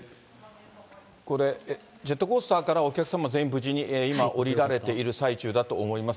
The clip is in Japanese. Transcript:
ジェットコースターからお客様全員無事に、今、降りられている最中だと思います。